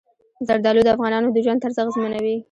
زردالو د افغانانو د ژوند طرز اغېزمنوي.